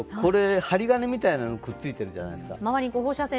針金みたいなのがくっついているじゃないです。